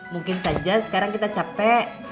mungkin saja sekarang kita capek